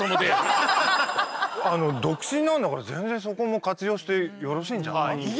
独身なんだから全然そこも活用してよろしいんじゃない？